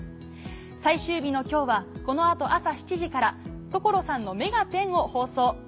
最終日の今日はこの後朝７時から『所さんの目がテン！』を放送。